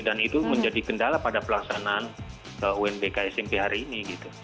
dan itu menjadi kendala pada pelaksanaan unbk smp hari ini gitu